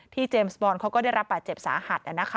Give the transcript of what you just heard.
เจมส์บอลเขาก็ได้รับบาดเจ็บสาหัส